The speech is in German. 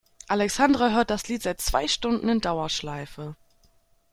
Alexandra hört das Lied seit zwei Stunden in Dauerschleife.